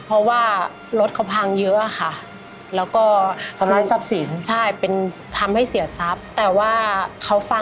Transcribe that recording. เพราะว่ารถเขาพังเยอะค่ะ